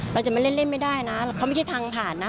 เราจะมาเล่นไม่ได้นะเขาไม่ใช่ทางผ่านนะ